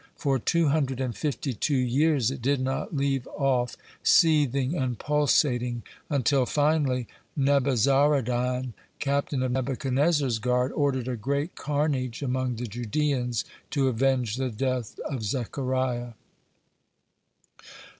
For two hundred and fifty two years it did not leave off seething and pulsating, until, finally, Nebuzaradan, captain of Nebuchadnezzar's guard, ordered a great carnage among the Judeans, to avenge the death of Zechariah.